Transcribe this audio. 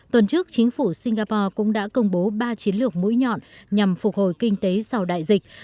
tuần trước chính phủ singapore cũng đã công bố ba chiến lược mũi nhọn nhằm phục hồi kinh tế sau đại dịch